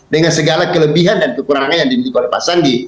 dengan segala kelebihan dan kekurangan yang dimiliki oleh pak sandi